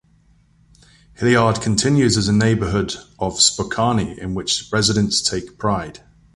Hillyard continues as a neighborhood of Spokane in which residents take pride.